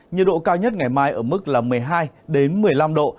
nhiệt độ cao nhất ngày mai ở mức là một mươi hai một mươi năm độ